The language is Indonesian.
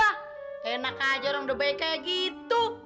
kayak enak aja orang udah baik kaya gitu